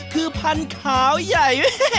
คือพันขาวใหญ่